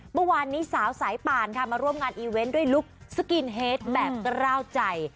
เมื่อวานนี้สาวสายป่านค่ะมาร่วมงานอีเวนต์ด้วยลุคสกินเฮดแบบกล้าวใจ